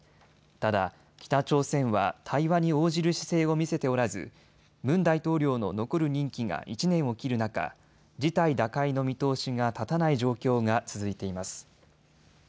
ただ、北朝鮮は対話に応じる姿勢を見せておらずムン大統領の残る任期が１年を切る中、事態打開の見通しが立たない状況が続いています。